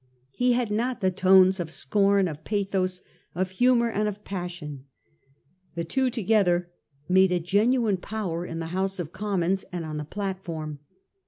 He had not the tones of scorn, of pathos, of humour, and of passion. The two together made a genuine power in the House of Commons and on the platform.